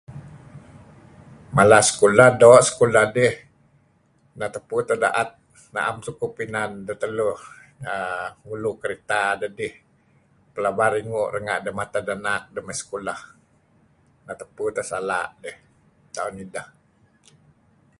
Mala sekulah, doo' sekulah dih. Neh tupu teh da'e diht. Neh tupu teh da'et. Na'em sukup inan deteluh aaa... ngulu deteluh dedih. Pelaba ringu' nga' ideh mated anak mey sekulah. Neh tupu teh sala' iih, ta'on ideh.